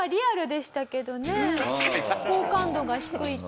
好感度が低いって。